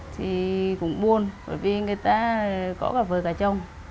thì cũng buôn bởi vì người ta có cả vợ cả chồng